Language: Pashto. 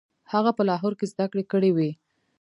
هغه په لاهور کې زده کړې کړې وې.